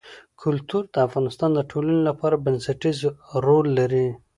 کلتور د افغانستان د ټولنې لپاره بنسټيز رول لري.